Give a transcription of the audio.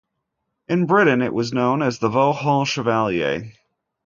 In Britain, it was known as the Vauxhall Cavalier.